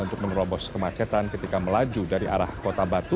untuk menerobos kemacetan ketika melaju dari arah kota batu